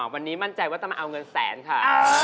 วันนี้มั่นใจว่าจะมาเอาเงินแสนค่ะ